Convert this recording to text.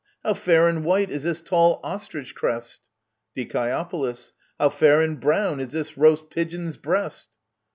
How fair and white is this tall ostrich crest ! Die. How fair and brown is this roast pigeon's breast